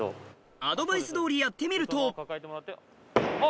アドバイスどおりやってみると・あぁ